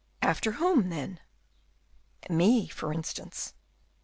"After whom, then?" "Me, for instance."